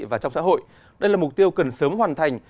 và trong xã hội đây là mục tiêu cần sớm hoàn thành